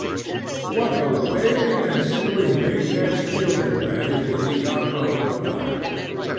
What a wailing and screaming Ned's children raised when he got home at last!